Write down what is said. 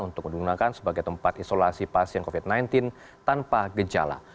untuk digunakan sebagai tempat isolasi pasien covid sembilan belas tanpa gejala